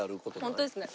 本当ですね。